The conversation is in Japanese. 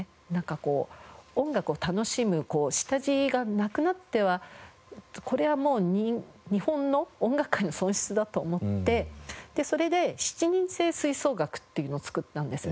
音楽を楽しむ下地がなくなってはこれはもう日本の音楽界の損失だと思ってそれで「７人制吹奏楽」っていうのを作ったんですね。